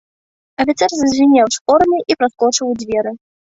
Афіцэр зазвінеў шпорамі і праскочыў у дзверы.